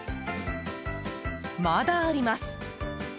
まだあります。